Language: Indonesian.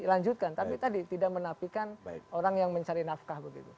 dilanjutkan tapi tadi tidak menapikan orang yang mencari nafkah begitu